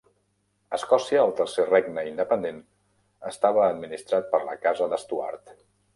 Escòcia, el tercer regne independent, estava administrat per la Casa de Stuart.